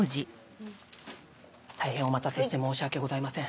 大変お待たせして申し訳ございません。